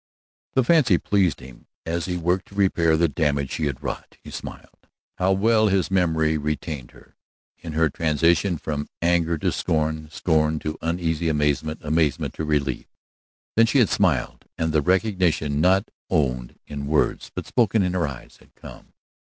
The fancy pleased him; as he worked to repair the damage she had wrought, he smiled. How well his memory retained her, in her transition from anger to scorn, scorn to uneasy amazement, amazement to relief. Then she had smiled, and the recognition not owned in words but spoken in her eyes, had come.